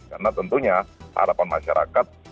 karena tentunya harapan masyarakat